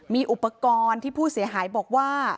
มีอุปกรณ์ที่ผู้เสียหายบอกว่า